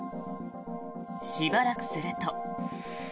しばらくすると。